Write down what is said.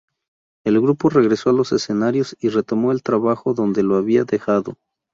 El grupo regresó a los escenarios y retomó el trabajo donde lo había dejado.